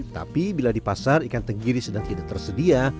tapi bila di pasar ikan tenggiri sedang tidak tersedia